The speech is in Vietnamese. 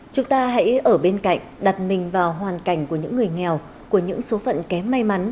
chúng ta hãy ở bên cạnh đặt mình vào hoàn cảnh của những người nghèo của những số phận kém may mắn